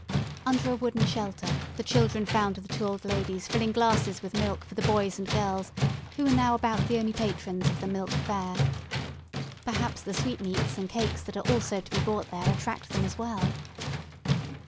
Under a wooden shelter the children found the two old ladies filling glasses with milk for the boys and girls who are now about the only patrons of the "Milk Fair." Perhaps the sweetmeats and cakes that are also to be bought there attract them as well.